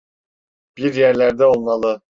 Bir yerlerde olmalı.